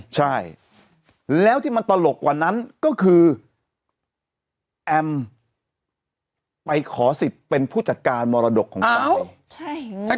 ใช่แล้วที่มันตลกกว่านั้นก็คือแอมไปขอสิทธิ์เป็นผู้จัดการมรดกของเขา